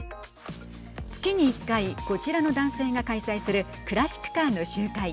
月に１回こちらの男性が開催するクラシックカーの集会。